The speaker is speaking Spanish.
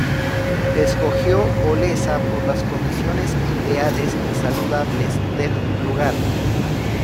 Escogió Olesa por las condiciones ideales y saludables del lugar.